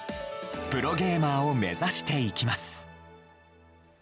プロゲーマーを目指していきます。